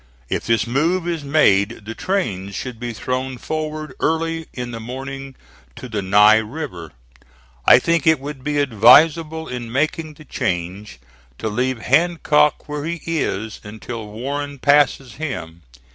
If this move is made the trains should be thrown forward early in the morning to the Ny River. I think it would be advisable in making the change to leave Hancock where he is until Warren passes him.